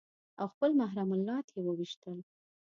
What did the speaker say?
او خپل محرم الات يې په وويشتل.